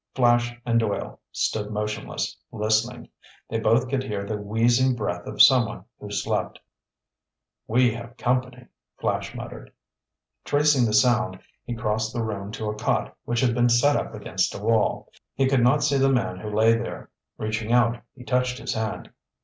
Flash and Doyle stood motionless, listening. They both could hear the wheezing breath of someone who slept. "We have company," Flash muttered. Tracing the sound, he crossed the room to a cot which had been set up against a wall. He could not see the man who lay there. Reaching out, he touched his hand.